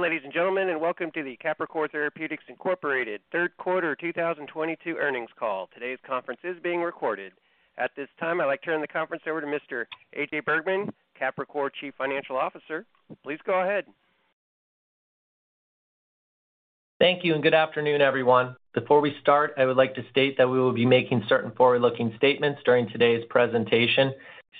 Ladies and gentlemen, welcome to the Capricor Therapeutics, Inc. third quarter 2022 earnings call. Today's conference is being recorded. At this time, I'd like to turn the conference over to Mr. AJ Bergmann, Capricor Chief Financial Officer. Please go ahead. Thank you and good afternoon, everyone. Before we start, I would like to state that we will be making certain forward-looking statements during today's presentation.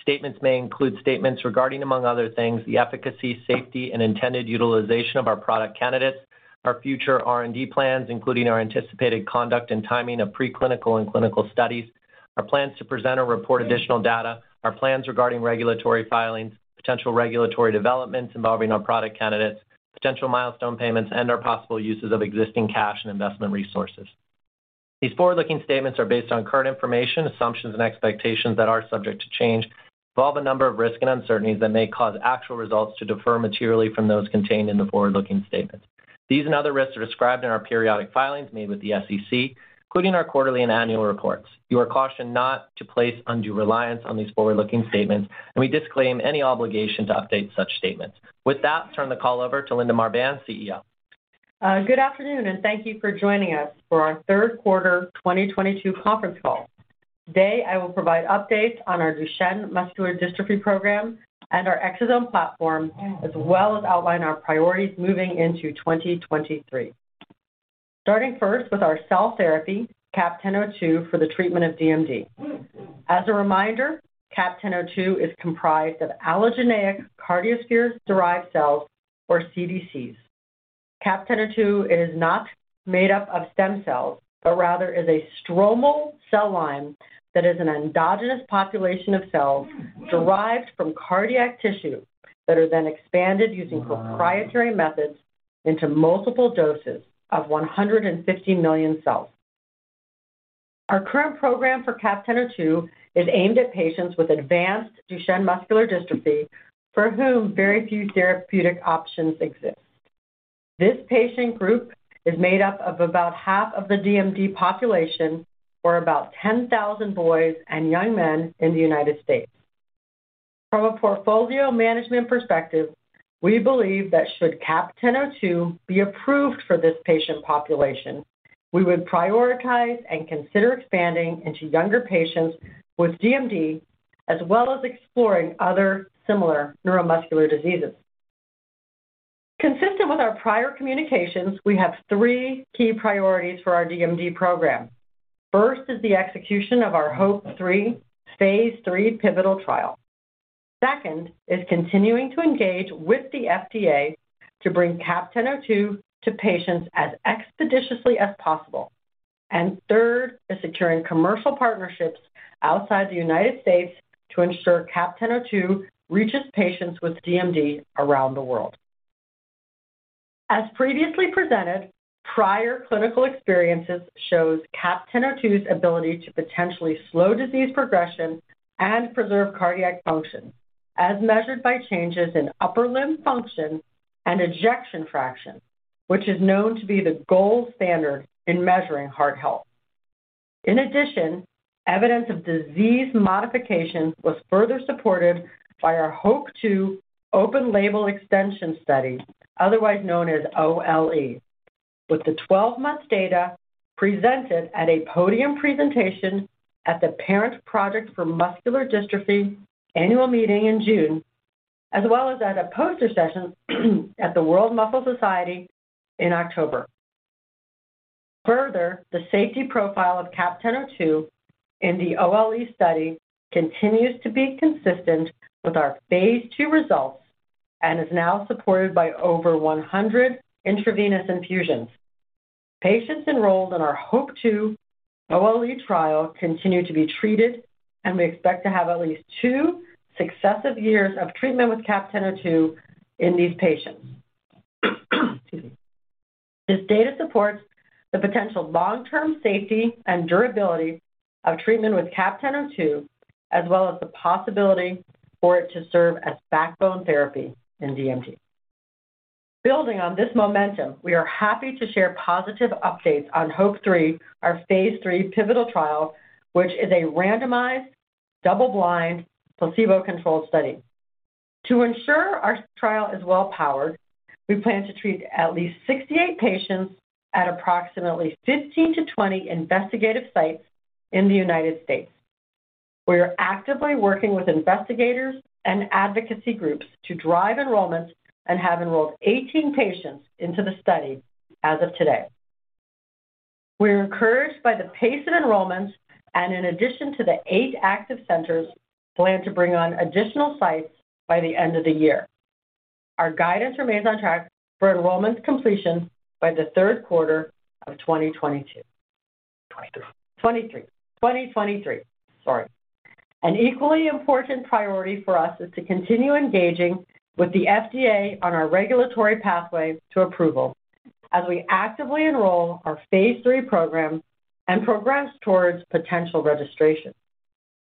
Statements may include statements regarding, among other things, the efficacy, safety, and intended utilization of our product candidates, our future R&D plans, including our anticipated conduct and timing of preclinical and clinical studies, our plans to present or report additional data, our plans regarding regulatory filings, potential regulatory developments involving our product candidates, potential milestone payments, and our possible uses of existing cash and investment resources. These forward-looking statements are based on current information, assumptions, and expectations that are subject to change, involve a number of risks and uncertainties that may cause actual results to differ materially from those contained in the forward-looking statements. These and other risks are described in our periodic filings made with the SEC, including our quarterly and annual reports. You are cautioned not to place undue reliance on these forward-looking statements, and we disclaim any obligation to update such statements. With that, turn the call over to Linda Marbán, CEO. Good afternoon and thank you for joining us for our third quarter 2022 conference call. Today, I will provide updates on our Duchenne muscular dystrophy program and our exosome platform, as well as outline our priorities moving into 2023. Starting first with our cell therapy, CAP-1002, for the treatment of DMD. As a reminder, CAP-1002 is comprised of allogeneic cardiosphere-derived cells, or CDCs. CAP-1002 is not made up of stem cells, but rather is a stromal cell line that is an endogenous population of cells derived from cardiac tissue that are then expanded using proprietary methods into multiple doses of 150 million cells. Our current program for CAP-1002 is aimed at patients with advanced Duchenne muscular dystrophy for whom very few therapeutic options exist. This patient group is made up of about half of the DMD population or about 10,000 boys and young men in the United States. From a portfolio management perspective, we believe that should CAP-1002 be approved for this patient population, we would prioritize and consider expanding into younger patients with DMD, as well as exploring other similar neuromuscular diseases. Consistent with our prior communications, we have three key priorities for our DMD program. First is the execution of our HOPE-3 phase III pivotal trial. Second is continuing to engage with the FDA to bring CAP-1002 to patients as expeditiously as possible. Third is securing commercial partnerships outside the United States to ensure CAP-1002 reaches patients with DMD around the world. As previously presented, prior clinical experiences shows CAP-1002's ability to potentially slow disease progression and preserve cardiac function as measured by changes in upper limb function and ejection fraction, which is known to be the gold standard in measuring heart health. In addition, evidence of disease modification was further supported by our HOPE-2 open label extension study, otherwise known as OLE, with the 12-month data presented at a podium presentation at the Parent Project Muscular Dystrophy annual meeting in June, as well as at a poster session at the World Muscle Society in October. Further, the safety profile of CAP-1002 in the OLE study continues to be consistent with our phase II results and is now supported by over 100 intravenous infusions. Patients enrolled in our HOPE-2 OLE trial continue to be treated, and we expect to have at least two successive years of treatment with CAP-1002 in these patients. Excuse me. This data supports the potential long-term safety and durability of treatment with CAP-1002, as well as the possibility for it to serve as backbone therapy in DMD. Building on this momentum, we are happy to share positive updates on HOPE-3, our phase III pivotal trial, which is a randomized, double-blind, placebo-controlled study. To ensure our trial is well-powered, we plan to treat at least 68 patients at approximately 15-20 investigational sites in the United States. We are actively working with investigators and advocacy groups to drive enrollment and have enrolled 18 patients into the study as of today. We're encouraged by the pace of enrollment and in addition to the eight active centers plan to bring on additional sites by the end of the year. Our guidance remains on track for enrollment completion by the third quarter of 2022. 2023. 2023. Sorry. An equally important priority for us is to continue engaging with the FDA on our regulatory pathway to approval as we actively enroll our phase III program and progress towards potential registration.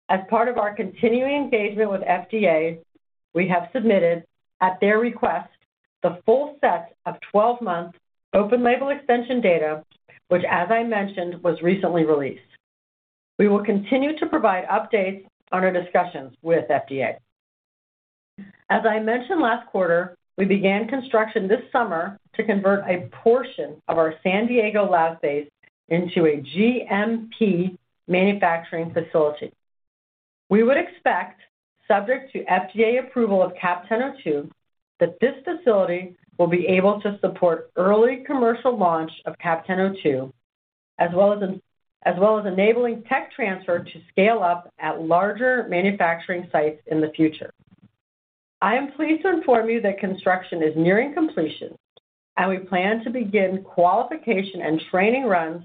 As part of our continuing engagement with FDA, we have submitted at their request the full set of 12-month open label extension data which as I mentioned was recently released. We will continue to provide updates on our discussions with FDA. As I mentioned last quarter, we began construction this summer to convert a portion of our San Diego lab space into a GMP manufacturing facility. We would expect, subject to FDA approval of CAP-1002, that this facility will be able to support early commercial launch of CAP-1002, as well as enabling tech transfer to scale up at larger manufacturing sites in the future. I am pleased to inform you that construction is nearing completion, and we plan to begin qualification and training runs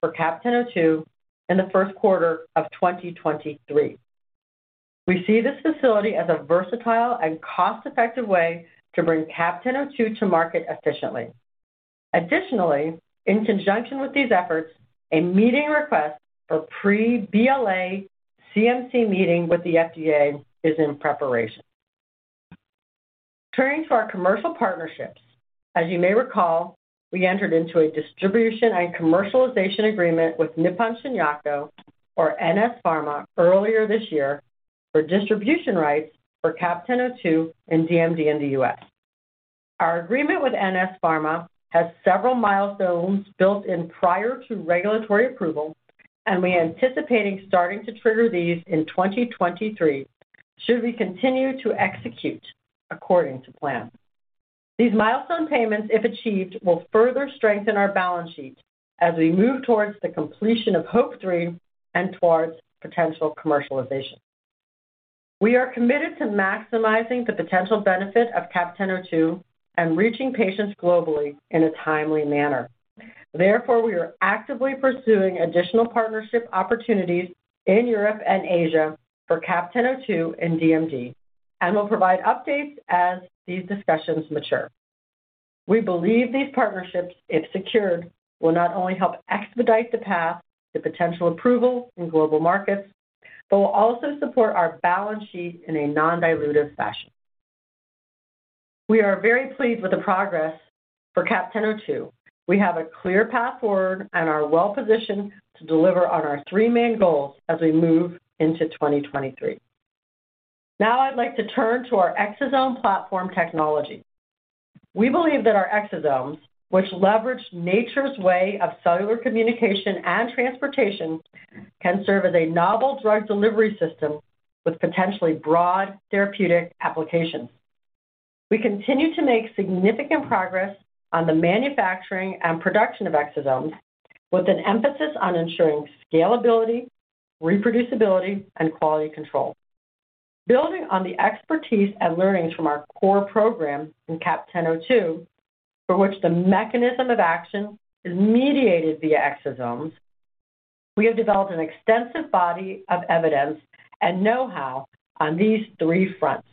for CAP-1002 in the first quarter of 2023. We see this facility as a versatile and cost-effective way to bring CAP-1002 to market efficiently. Additionally, in conjunction with these efforts, a meeting request for pre-BLA CMC meeting with the FDA is in preparation. Turning to our commercial partnerships, as you may recall, we entered into a distribution and commercialization agreement with Nippon Shinyaku, or NS Pharma, earlier this year for distribution rights for CAP-1002 and DMD in the U.S. Our agreement with NS Pharma has several milestones built in prior to regulatory approval, and we are anticipating starting to trigger these in 2023 should we continue to execute according to plan. These milestone payments, if achieved, will further strengthen our balance sheet as we move towards the completion of HOPE-3 and towards potential commercialization. We are committed to maximizing the potential benefit of CAP-1002 and reaching patients globally in a timely manner. Therefore, we are actively pursuing additional partnership opportunities in Europe and Asia for CAP-1002 and DMD and will provide updates as these discussions mature. We believe these partnerships, if secured, will not only help expedite the path to potential approval in global markets but will also support our balance sheet in a non-dilutive fashion. We are very pleased with the progress for CAP-1002. We have a clear path forward and are well-positioned to deliver on our three main goals as we move into 2023. Now I'd like to turn to our exosome platform technology. We believe that our exosomes, which leverage nature's way of cellular communication and transportation, can serve as a novel drug delivery system with potentially broad therapeutic applications. We continue to make significant progress on the manufacturing and production of exosomes with an emphasis on ensuring scalability, reproducibility, and quality control. Building on the expertise and learnings from our core program in CAP-1002, for which the mechanism of action is mediated via exosomes, we have developed an extensive body of evidence and know-how on these three fronts.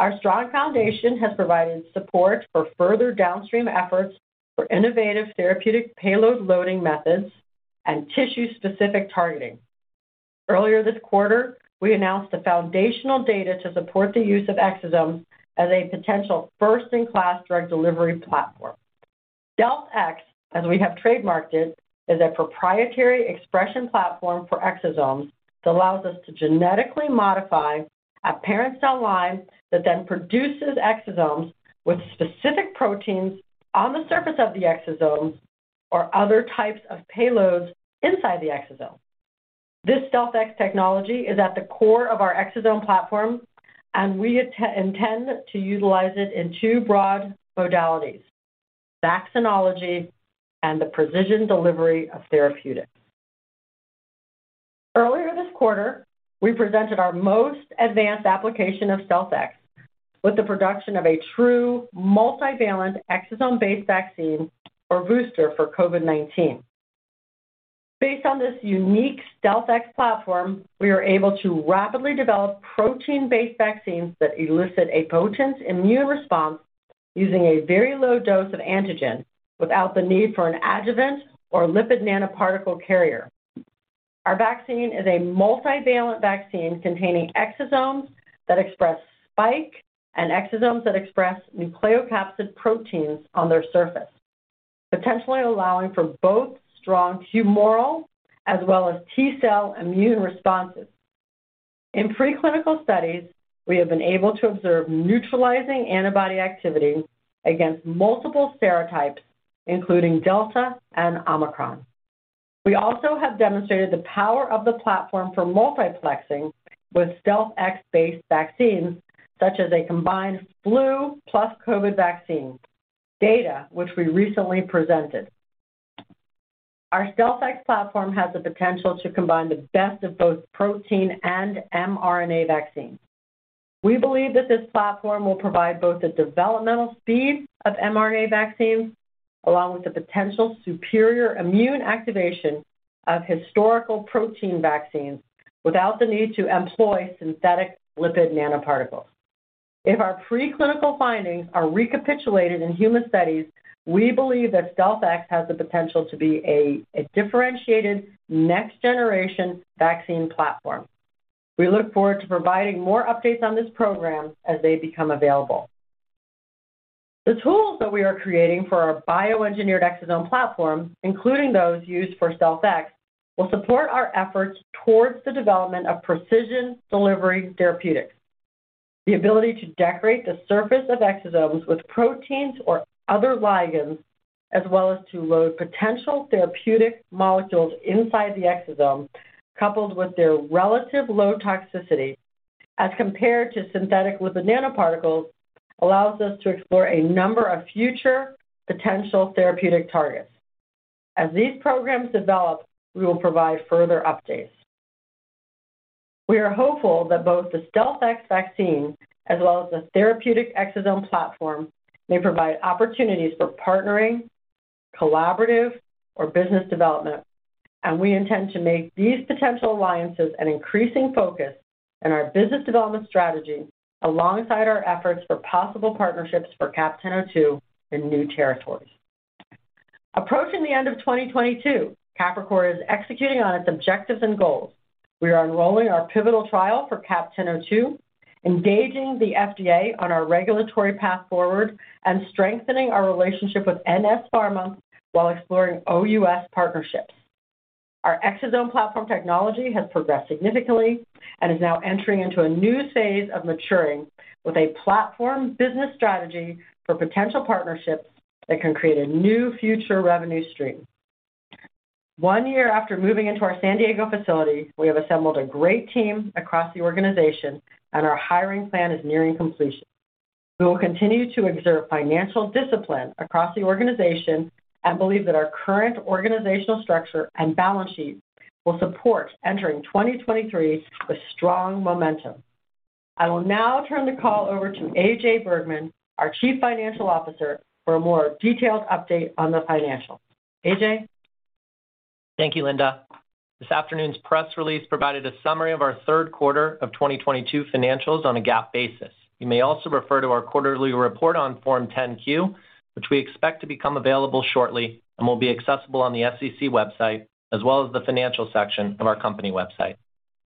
Our strong foundation has provided support for further downstream efforts for innovative therapeutic payload loading methods and tissue-specific targeting. Earlier this quarter, we announced the foundational data to support the use of exosomes as a potential first-in-class drug delivery platform. StealthX, as we have trademarked it, is a proprietary expression platform for exosomes that allows us to genetically modify a parent cell line that then produces exosomes with specific proteins on the surface of the exosomes or other types of payloads inside the exosome. This StealthX technology is at the core of our exosome platform, and we intend to utilize it in two broad modalities: vaccinology and the precision delivery of therapeutics. Earlier this quarter, we presented our most advanced application of StealthX with the production of a true multivalent exosome-based vaccine or booster for COVID-19. Based on this unique StealthX platform, we are able to rapidly develop protein-based vaccines that elicit a potent immune response using a very low dose of antigen without the need for an adjuvant or lipid nanoparticle carrier. Our vaccine is a multivalent vaccine containing exosomes that express spike and exosomes that express nucleocapsid proteins on their surface, potentially allowing for both strong humoral as well as T-cell immune responses. In preclinical studies, we have been able to observe neutralizing antibody activity against multiple serotypes, including Delta and Omicron. We also have demonstrated the power of the platform for multiplexing with StealthX-based vaccines, such as a combined flu plus COVID vaccine, data which we recently presented. Our StealthX platform has the potential to combine the best of both protein and mRNA vaccines. We believe that this platform will provide both the developmental speed of mRNA vaccines along with the potential superior immune activation of historical protein vaccines without the need to employ synthetic lipid nanoparticles. If our preclinical findings are recapitulated in human studies, we believe that StealthX has the potential to be a differentiated next-generation vaccine platform. We look forward to providing more updates on this program as they become available. The tools that we are creating for our bioengineered exosome platform, including those used for StealthX, will support our efforts toward the development of precision delivery therapeutics. The ability to decorate the surface of exosomes with proteins or other ligands, as well as to load potential therapeutic molecules inside the exosome, coupled with their relatively low toxicity as compared to synthetic lipid nanoparticles, allows us to explore a number of future potential therapeutic targets. As these programs develop, we will provide further updates. We are hopeful that both the StealthX vaccine as well as the therapeutic exosome platform may provide opportunities for partnering, collaborative or business development. We intend to make these potential alliances an increasing focus in our business development strategy alongside our efforts for possible partnerships for CAP-1002 in new territories. Approaching the end of 2022, Capricor is executing on its objectives and goals. We are enrolling our pivotal trial for CAP-1002, engaging the FDA on our regulatory path forward and strengthening our relationship with NS Pharma while exploring OUS partnerships. Our exosome platform technology has progressed significantly and is now entering into a new phase of maturing with a platform business strategy for potential partnerships that can create a new future revenue stream. One year after moving into our San Diego facility, we have assembled a great team across the organization and our hiring plan is nearing completion. We will continue to exert financial discipline across the organization and believe that our current organizational structure and balance sheet will support entering 2023 with strong momentum. I will now turn the call over to AJ Bergmann, our Chief Financial Officer, for a more detailed update on the financials. AJ. Thank you, Linda. This afternoon's press release provided a summary of our third quarter of 2022 financials on a GAAP basis. You may also refer to our quarterly report on Form 10-Q, which we expect to become available shortly and will be accessible on the SEC website as well as the financial section of our company website.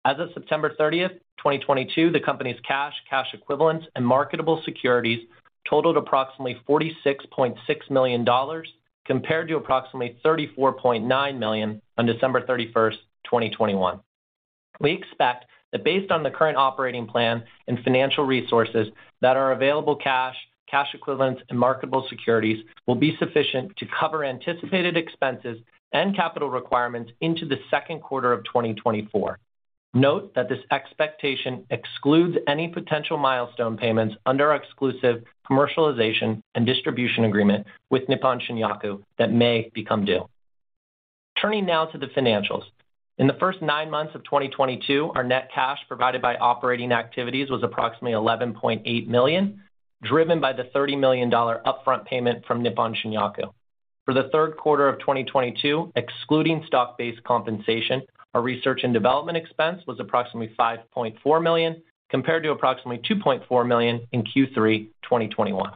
As of September 30, 2022, the company's cash equivalents and marketable securities totaled approximately $46.6 million compared to approximately $34.9 million on December 31, 2021. We expect that based on the current operating plan and financial resources, that our available cash equivalents and marketable securities will be sufficient to cover anticipated expenses and capital requirements into the second quarter of 2024. Note that this expectation excludes any potential milestone payments under our exclusive commercialization and distribution agreement with Nippon Shinyaku that may become due. Turning now to the financials. In the first nine months of 2022, our net cash provided by operating activities was approximately $11.8 million, driven by the $30 million upfront payment from Nippon Shinyaku. For the third quarter of 2022, excluding stock-based compensation, our research and development expense was approximately $5.4 million, compared to approximately $2.4 million in Q3 2021.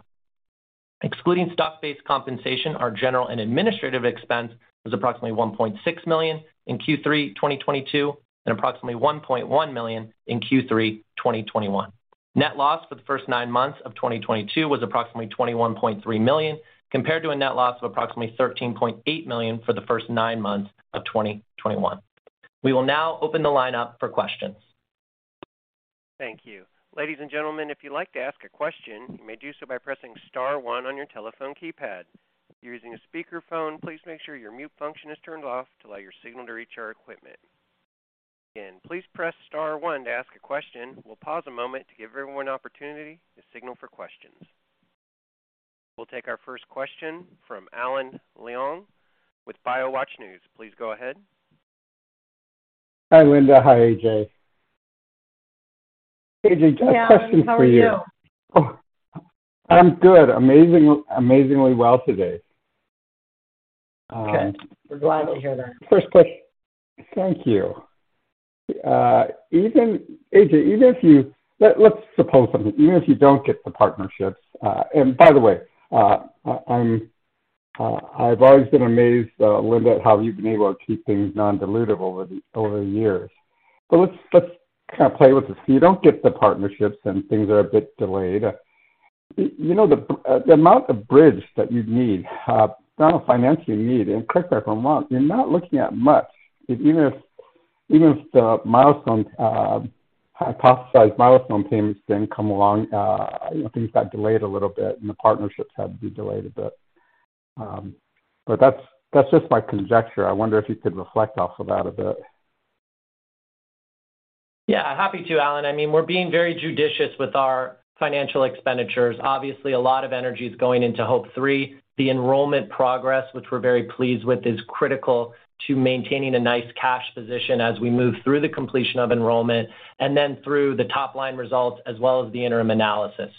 Excluding stock-based compensation, our general and administrative expense was approximately $1.6 million in Q3 2022 and approximately $1.1 million in Q3 2021. Net loss for the first nine months of 2022 was approximately $21.3 million, compared to a net loss of approximately $13.8 million for the first nine months of 2021. We will now open the line up for questions. Thank you. Ladies and gentlemen, if you'd like to ask a question, you may do so by pressing star one on your telephone keypad. If you're using a speakerphone, please make sure your mute function is turned off to allow your signal to reach our equipment. Again, please press star one to ask a question. We'll pause a moment to give everyone an opportunity to signal for questions. We'll take our first question from Alan Leong with BioWatch News. Please go ahead. Hi, Linda. Hi, AJ, just a question for you. Alan, how are you? I'm good. Amazing, amazingly well today. Good. We're glad to hear that. Thank you. Even, AJ, let's suppose something. Even if you don't get the partnerships, and by the way, I've always been amazed, Linda, at how you've been able to keep things non-dilutive over the years. Let's kind of play with this. If you don't get the partnerships and things are a bit delayed, you know, the amount of bridge that you'd need, I don't know, financially need, and correct me if I'm wrong, you're not looking at much. Even if the hypothesized milestone payments didn't come along, you know, things got delayed a little bit and the partnerships had to be delayed a bit. That's just my conjecture. I wonder if you could reflect on that a bit. Yeah, happy to, Alan. I mean, we're being very judicious with our financial expenditures. Obviously, a lot of energy is going into HOPE-3. The enrollment progress, which we're very pleased with, is critical to maintaining a nice cash position as we move through the completion of enrollment and then through the top-line results as well as the interim analysis.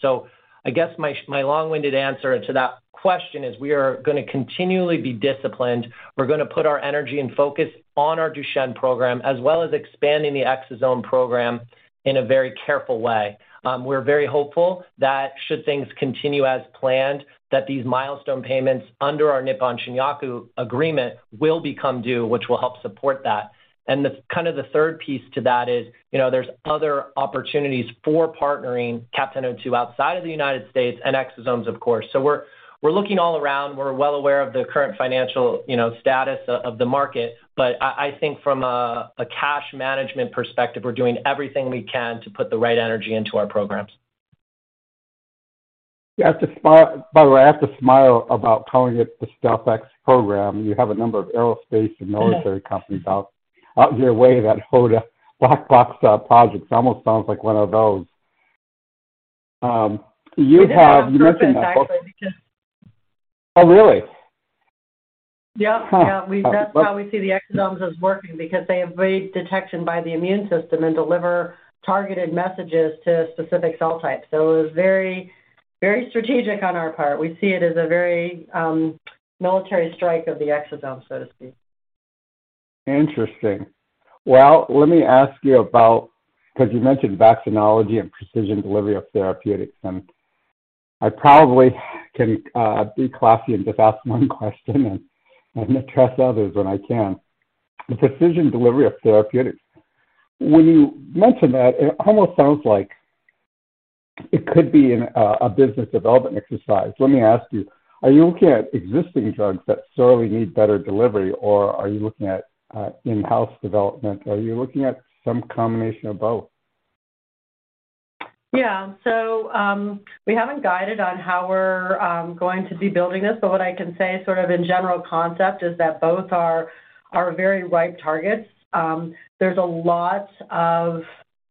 I guess my long-winded answer to that question is we are gonna continually be disciplined. We're gonna put our energy and focus on our Duchenne program, as well as expanding the exosome program in a very careful way. We're very hopeful that should things continue as planned, that these milestone payments under our Nippon Shinyaku agreement will become due, which will help support that. The kind of the third piece to that is, you know, there's other opportunities for partnering CAP-1002 outside of the United States and exosomes, of course. We're looking all around. We're well aware of the current financial, you know, status of the market. I think from a cash management perspective, we're doing everything we can to put the right energy into our programs. Yeah, it's a smile. By the way, I have to smile about calling it the StealthX program. You have a number of aerospace and military companies out here, in a way that hold black box projects. Almost sounds like one of those. You have It is on purpose actually. Oh, really? Yep. Huh. Yeah. That's how we see the exosomes as working because they evade detection by the immune system and deliver targeted messages to specific cell types. It was very, very strategic on our part. We see it as a very military strike of the exosome, so to speak. Interesting. Well, let me ask you about 'cause you mentioned vaccinology and precision delivery of therapeutics, and I probably can be classy and just ask one question and address others when I can. The precision delivery of therapeutics, when you mention that, it almost sounds like it could be a business development exercise. Let me ask you, are you looking at existing drugs that sorely need better delivery, or are you looking at in-house development? Are you looking at some combination of both? Yeah. We haven't guided on how we're going to be building this, but what I can say sort of in general concept is that both are very ripe targets. There's a lot of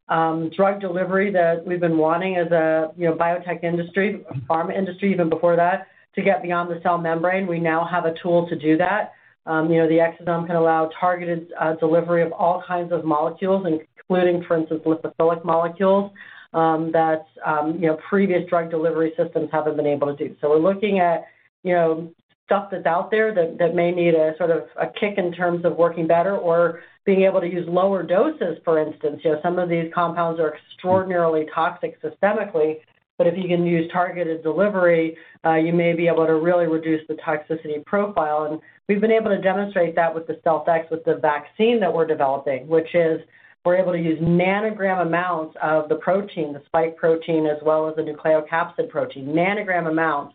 drug delivery that we've been wanting as a, you know, biotech industry, pharma industry even before that, to get beyond the cell membrane. We now have a tool to do that. You know, the exosome can allow targeted delivery of all kinds of molecules, including, for instance, lipophilic molecules that, you know, previous drug delivery systems haven't been able to do. We're looking at, you know, stuff that's out there that may need a sort of a kick in terms of working better or being able to use lower doses, for instance. You know, some of these compounds are extraordinarily toxic systemically, but if you can use targeted delivery, you may be able to really reduce the toxicity profile. We've been able to demonstrate that with the StealthX, with the vaccine that we're developing, which is we're able to use nanogram amounts of the protein, the spike protein, as well as the nucleocapsid protein. Nanogram amounts,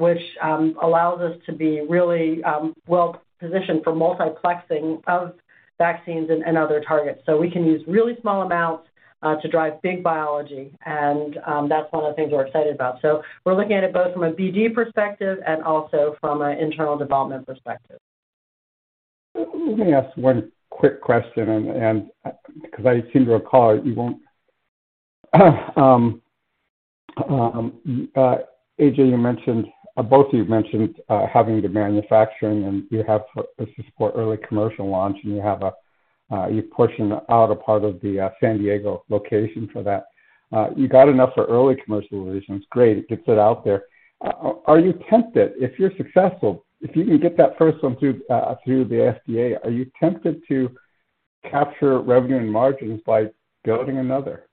which allows us to be really well positioned for multiplexing of vaccines and other targets. We can use really small amounts to drive big biology, and that's one of the things we're excited about. We're looking at it both from a BD perspective and also from an internal development perspective. Let me ask one quick question and 'cause I seem to recall you won't. AJ, you mentioned both of you mentioned having the manufacturing and you have this is for early commercial launch, and you have a you're portion out a part of the San Diego location for that. You got enough for early commercial reasons. Great. It gets it out there. Are you tempted if you're successful, if you can get that first one through the FDA, are you tempted to capture revenue and margins by building another?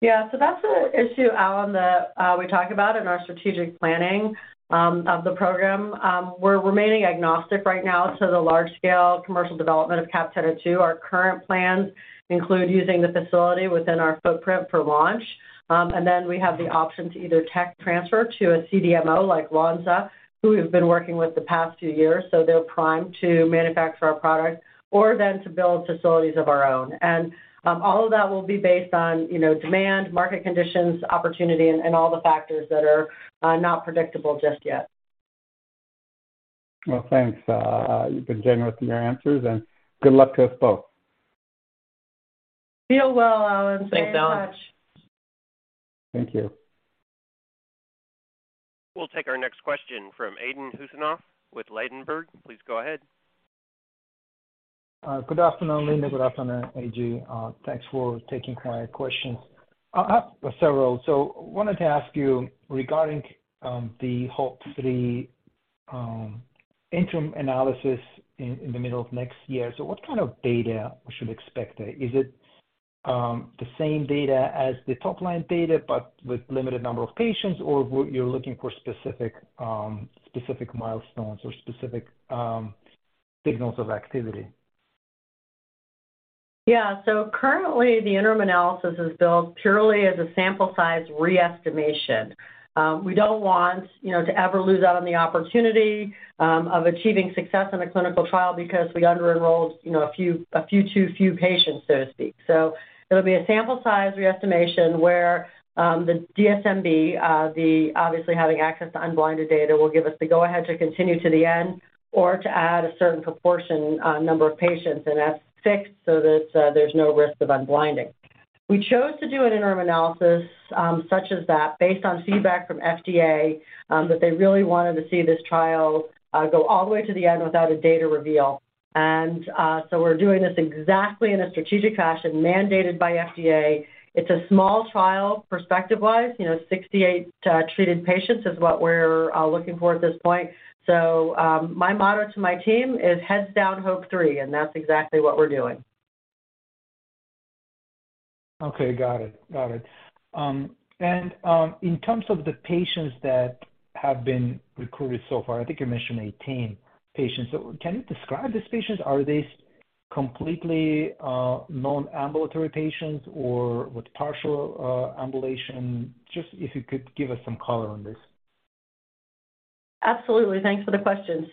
Yeah. That's an issue, Alan, that we talk about in our strategic planning of the program. We're remaining agnostic right now to the large scale commercial development of CAP-1002. Our current plans include using the facility within our footprint for launch. We have the option to either tech transfer to a CDMO like Lonza, who we've been working with the past few years, so they're primed to manufacture our product or then to build facilities of our own. All of that will be based on, you know, demand, market conditions, opportunity and all the factors that are not predictable just yet. Well, thanks. You've been generous in your answers, and good luck to us both. You as well, Alan. Thank you very much. Thanks, Alan. Thank you. We'll take our next question from Aydin Huseynov with Ladenburg Thalmann. Please go ahead. Good afternoon, Linda. Good afternoon, AJ. Thanks for taking my question. I have several. Wanted to ask you regarding the HOPE-3 interim analysis in the middle of next year. What kind of data we should expect there? Is it the same data as the top-line data but with limited number of patients, or what you're looking for specific milestones or specific signals of activity? Yeah. Currently the interim analysis is built purely as a sample size re-estimation. We don't want, you know, to ever lose out on the opportunity of achieving success in a clinical trial because we under-enrolled, you know, a few too few patients, so to speak. It'll be a sample size re-estimation where the DSMB, they obviously having access to unblinded data, will give us the go ahead to continue to the end or to add a certain proportion number of patients. That's fixed so that there's no risk of unblinding. We chose to do an interim analysis such as that based on feedback from FDA that they really wanted to see this trial go all the way to the end without a data reveal. We're doing this exactly in a strategic fashion mandated by FDA. It's a small trial perspective wise. You know, 68 treated patients is what we're looking for at this point. My motto to my team is heads down HOPE-3, and that's exactly what we're doing. Okay, got it. In terms of the patients that have been recruited so far, I think you mentioned 18 patients. Can you describe these patients? Are they completely non-ambulatory patients or with partial ambulation? Just if you could give us some color on this. Absolutely. Thanks for the question.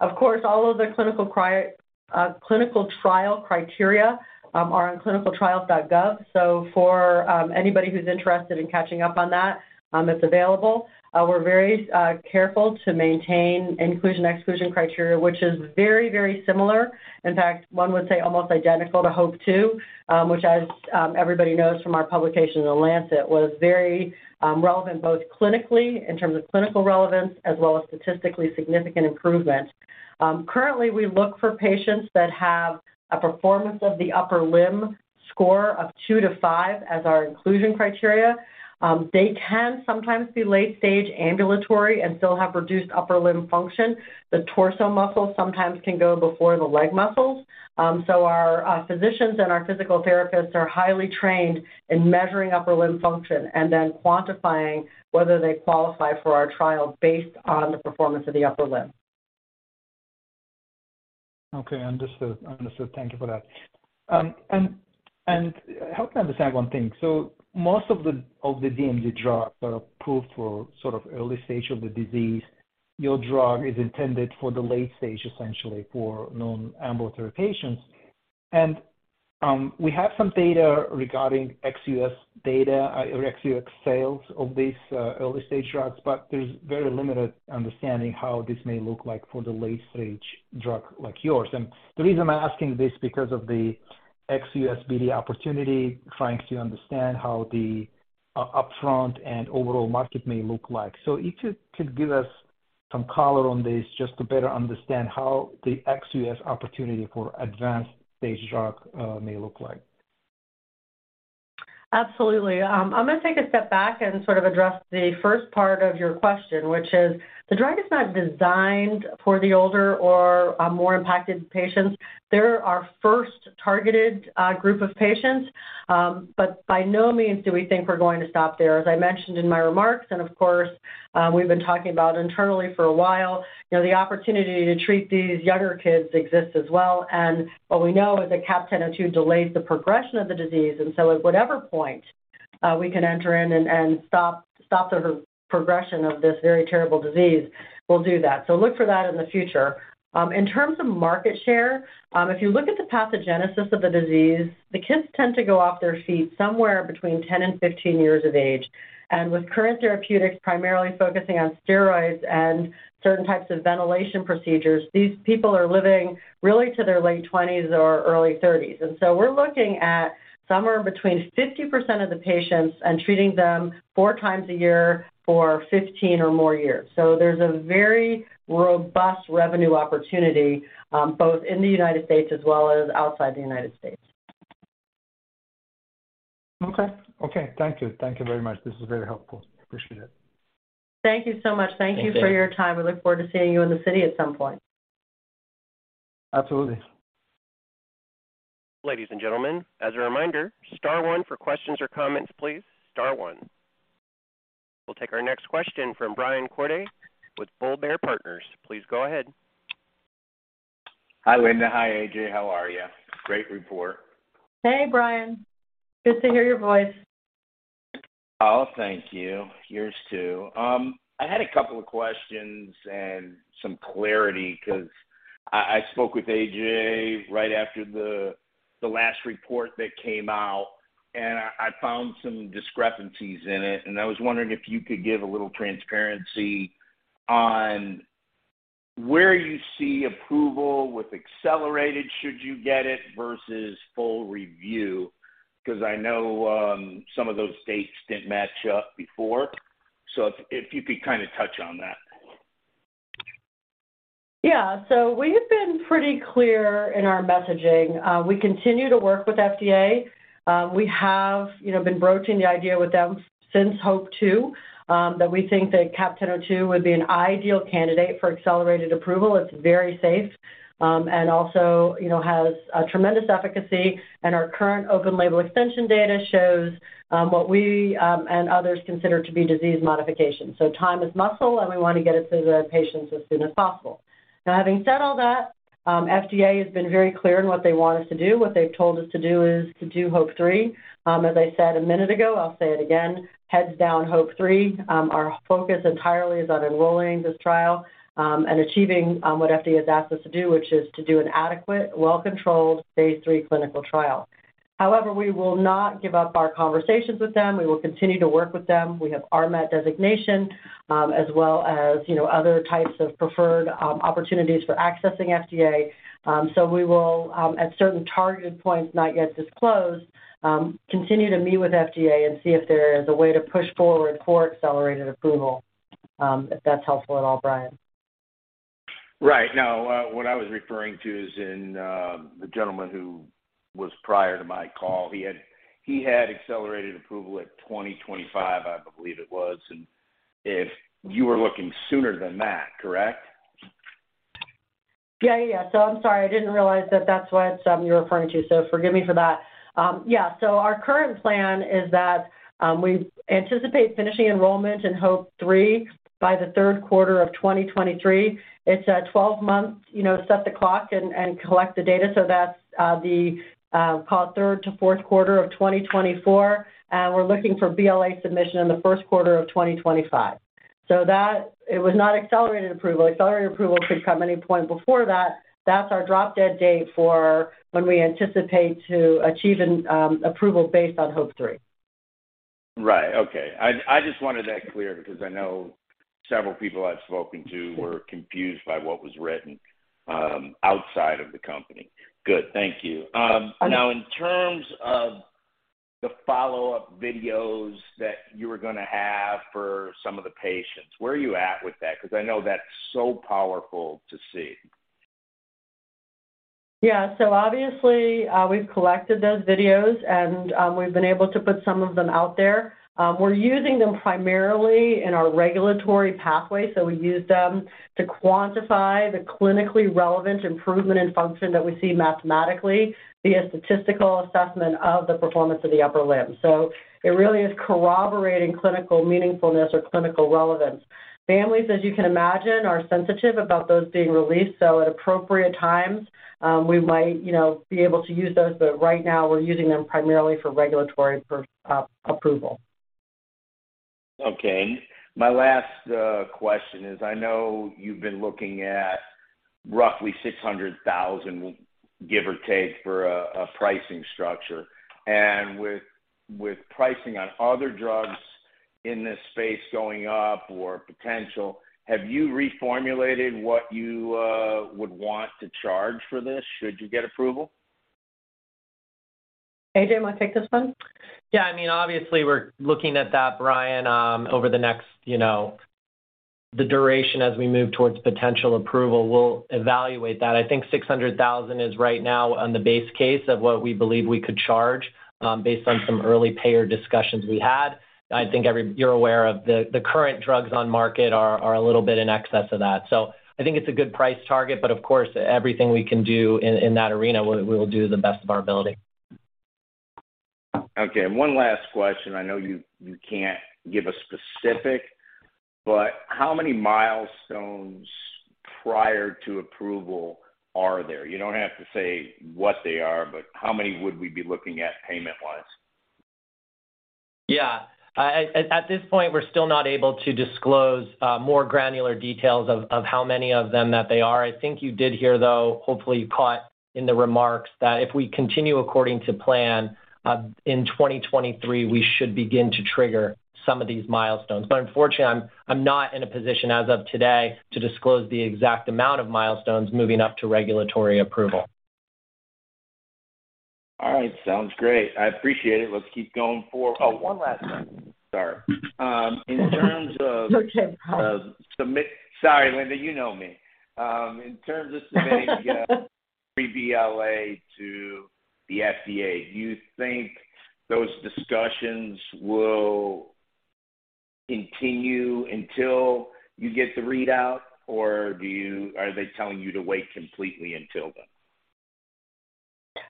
Of course, all of the clinical trial criteria are on ClinicalTrials.gov. For anybody who's interested in catching up on that, it's available. We're very careful to maintain inclusion/exclusion criteria, which is very, very similar. In fact, one would say almost identical to HOPE-2, which as everybody knows from our publication in The Lancet, was very relevant both clinically in terms of clinical relevance as well as statistically significant improvement. Currently we look for patients that have a Performance of the Upper Limb score of two-five as our inclusion criteria. They can sometimes be late stage ambulatory and still have reduced upper limb function. The torso muscles sometimes can go before the leg muscles. Our physicians and our physical therapists are highly trained in measuring upper limb function and then quantifying whether they qualify for our trial based on the Performance of the Upper Limb. Okay. Understood. Thank you for that. And help me understand one thing. Most of the DMD drugs are approved for sort of early stage of the disease. Your drug is intended for the late stage, essentially for non-ambulatory patients. We have some data regarding ex-U.S. data or ex-U.S. sales of these early-stage drugs, but there's very limited understanding how this may look like for the late-stage drug like yours. The reason I'm asking this because of the ex-U.S. BD opportunity, trying to understand how the upfront and overall market may look like. If you could give us some color on this just to better understand how the ex-U.S. opportunity for advanced-stage drug may look like. Absolutely. I'm gonna take a step back and sort of address the first part of your question, which is the drug is not designed for the older or more impacted patients. They're our first targeted group of patients. But by no means do we think we're going to stop there. As I mentioned in my remarks, and of course, we've been talking about internally for a while, you know, the opportunity to treat these younger kids exists as well. What we know is that CAP-1002 delays the progression of the disease, and so at whatever point we can enter in and stop the progression of this very terrible disease, we'll do that. So look for that in the future. In terms of market share, if you look at the pathogenesis of the disease, the kids tend to go off their feet somewhere between 10 and 15 years of age. With current therapeutics, primarily focusing on steroids and certain types of ventilation procedures, these people are living really to their late twenties or early thirties. We're looking at somewhere between 50% of the patients and treating them 4x a year for 15 or more years. There's a very robust revenue opportunity, both in the United States as well as outside the United States. Okay. Thank you very much. This is very helpful. Appreciate it. Thank you so much. Thank you for your time. We look forward to seeing you in the city at some point. Absolutely. Ladies and gentlemen. As a reminder, star one for questions or comments, please. Star one. We'll take our next question from Brian Cordy with Bull Bear Partners. Please go ahead. Hi, Linda. Hi, AJ. How are you? Great report. Hey, Brian. Good to hear your voice. Oh, thank you. Yours too. I had a couple of questions and some clarity 'cause I spoke with AJ right after the last report that came out, and I found some discrepancies in it, and I was wondering if you could give a little transparency on where you see approval with accelerated should you get it versus full review, 'cause I know some of those dates didn't match up before. If you could kinda touch on that. Yeah. We have been pretty clear in our messaging. We continue to work with FDA. We have, you know, been broaching the idea with them since HOPE-2, that we think that CAP-1002 would be an ideal candidate for accelerated approval. It's very safe, and also, you know, has a tremendous efficacy, and our current open label extension data shows what we and others consider to be disease modification. Time is muscle, and we wanna get it to the patients as soon as possible. Now, having said all that, FDA has been very clear in what they want us to do. What they've told us to do is to do HOPE-3. As I said a minute ago, I'll say it again, heads down HOPE-3. Our focus entirely is on enrolling this trial and achieving what FDA has asked us to do, which is to do an adequate, well-controlled phase III clinical trial. However, we will not give up our conversations with them. We will continue to work with them. We have RMAT designation, as well as, you know, other types of preferred opportunities for accessing FDA. We will, at certain targeted points not yet disclosed, continue to meet with FDA and see if there is a way to push forward for accelerated approval, if that's helpful at all, Brian. Right. No, what I was referring to is in the gentleman who was prior to my call. He had accelerated approval at 2025, I believe it was. If you were looking sooner than that, correct? Yeah. I'm sorry, I didn't realize that that's what you're referring to, so forgive me for that. Yeah. Our current plan is that we anticipate finishing enrollment in HOPE-3 by the third quarter of 2023. It's a 12-month, you know, set the clock and collect the data. That's the so-called third to fourth quarter of 2024. We're looking for BLA submission in the first quarter of 2025. That was not accelerated approval. Accelerated approval could come any point before that. That's our drop-dead date for when we anticipate achieving approval based on HOPE-3. Right. Okay. I just wanted that clear because I know several people I've spoken to were confused by what was written outside of the company. Good. Thank you. Now, in terms of the follow-up videos that you were gonna have for some of the patients, where are you at with that? 'Cause I know that's so powerful to see. Yeah. Obviously, we've collected those videos and we've been able to put some of them out there. We're using them primarily in our regulatory pathway. We use them to quantify the clinically relevant improvement in function that we see mathematically via statistical assessment of the Performance of the Upper Limb. It really is corroborating clinical meaningfulness or clinical relevance. Families, as you can imagine, are sensitive about those being released, so at appropriate times, we might, you know, be able to use those, but right now we're using them primarily for regulatory approval. Okay. My last question is I know you've been looking at roughly $600,000, give or take, for a pricing structure. With pricing on other drugs in this space going up or potential, have you reformulated what you would want to charge for this should you get approval? AJ, wanna take this one? Yeah. I mean, obviously we're looking at that, Brian, over the next, you know, the duration as we move towards potential approval, we'll evaluate that. I think $600,000 is right now on the base case of what we believe we could charge, based on some early payer discussions we had. I think you're aware of the current drugs on market are a little bit in excess of that. I think it's a good price target, but of course, everything we can do in that arena, we will do the best of our ability. Okay, one last question. I know you can't give a specific, but how many milestones prior to approval are there? You don't have to say what they are, but how many would we be looking at payment-wise? Yeah. At this point, we're still not able to disclose more granular details of how many of them that they are. I think you did hear, though, hopefully you caught in the remarks that if we continue according to plan, in 2023, we should begin to trigger some of these milestones. Unfortunately, I'm not in a position as of today to disclose the exact amount of milestones moving up to regulatory approval. All right. Sounds great. I appreciate it. Let's keep going for. Oh, one last thing. Sorry. In terms of- It's okay. Sorry, Linda. You know me. In terms of submitting pre-BLA to the FDA, do you think those discussions will continue until you get the readout, or are they telling you to wait completely until then?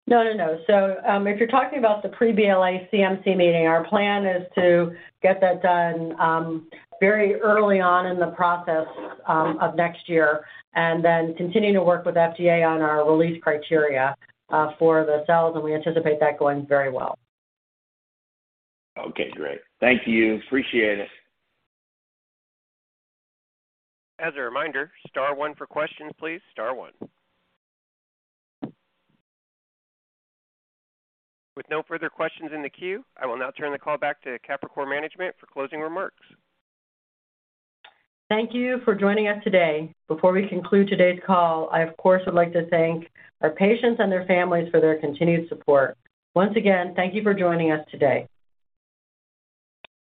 No. If you're talking about the Pre-BLA CMC meeting, our plan is to get that done very early on in the process of next year and then continue to work with FDA on our release criteria for the cells, and we anticipate that going very well. Okay, great. Thank you. Appreciate it. As a reminder, star one for questions, please. Star one. With no further questions in the queue, I will now turn the call back to Capricor management for closing remarks. Thank you for joining us today. Before we conclude today's call, I of course would like to thank our patients and their families for their continued support. Once again, thank you for joining us today.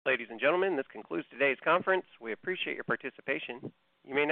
Ladies and gentlemen, this concludes today's conference. We appreciate your participation. You may now.